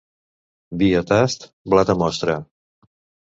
Vi a tast, blat a mostra.